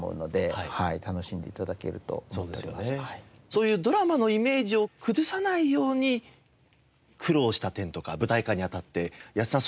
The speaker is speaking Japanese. そういうドラマのイメージを崩さないように苦労した点とか舞台化にあたって八津さん